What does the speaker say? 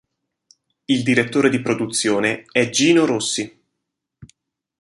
Il direttore di produzione è Gino Rossi.